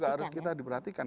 itu juga harus kita diperhatikan